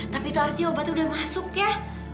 tapi itu artinya obatnya udah masuk ya